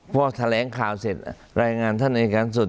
พอแถลงข่าวเสร็จรายงานท่านอายการสุด